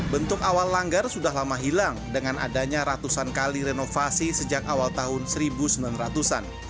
bentuk awal langgar sudah lama hilang dengan adanya ratusan kali renovasi sejak awal tahun seribu sembilan ratus an